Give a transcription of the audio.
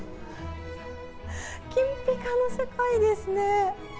金ぴかの世界ですね。